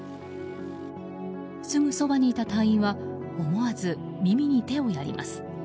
すぐそばにいた隊員は思わず耳に手をやります。